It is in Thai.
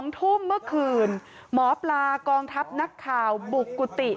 ๒ทุ่มเมื่อคืนหมอปลากองทัพนักข่าวบุกกุฏิ